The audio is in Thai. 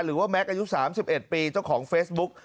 แม็กซ์อายุ๓๑ปีเจ้าของเฟซบุ๊ก